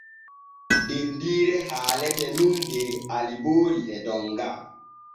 Dendiire haalete nun der Aliboori e Donga.